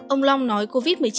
ông long nói covid một mươi chín